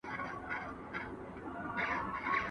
کروندګر اوسمهال په خپلو پټیو کي په کار بوخت دي.